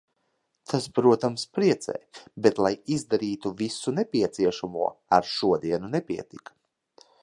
Tas, protams, priecē, bet lai izdarītu visu nepieciešamo ar šodienu nepietika.